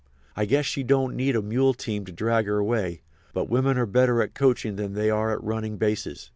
I guess she don't need a mule team to drag her away, but women are better at coaching than they are at running bases.